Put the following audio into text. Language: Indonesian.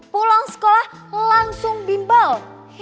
pulang sekolah langsung bimbal